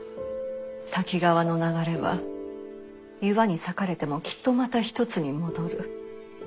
瀧川の流れは岩に裂かれてもきっとまた一つに戻る。